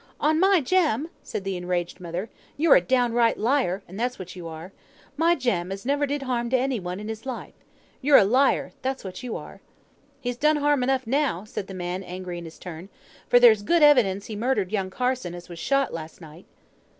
"On my Jem!" said the enraged mother. "You're a downright liar, and that's what you are. My Jem, as never did harm to any one in his life. You're a liar, that's what you are." "He's done harm enough now," said the man, angry in his turn, "for there's good evidence he murdered young Carson, as was shot last night."